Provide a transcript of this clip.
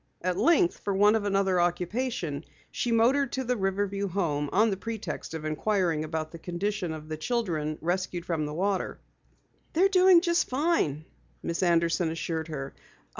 At length, for want of another occupation, she motored to the Riverview Home on the pretext of inquiring about the condition of the children rescued from the water. "They're doing just fine," Miss Anderson assured her.